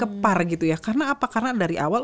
kepar gitu ya karena apa karena dari awal